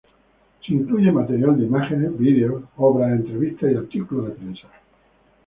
Se incluye material de imágenes videos, obras, entrevistas y artículos de prensa.